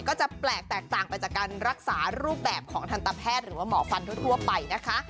ก็จะแปลกแตกต่างไปจากการรักษารูปแบบของทันตแพทย์หรือว่าหมอฟันทั่วไปนะคะ